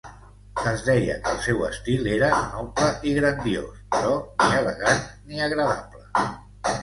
Es deia que el seu estil era noble i grandiós, però ni elegant ni agradable.